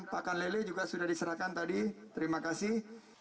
pakan lele juga sudah diserahkan tadi terima kasih